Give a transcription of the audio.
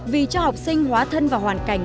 vì cho học sinh hóa thân vào hoàn cảnh